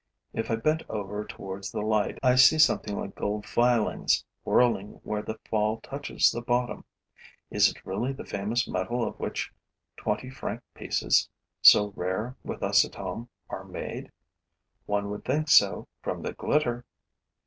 If I bent over towards the light, I see something like gold filings whirling where the fall touches the bottom. Is it really the famous metal of which twenty franc pieces, so rare with us at home, are made? One would think so, from the glitter.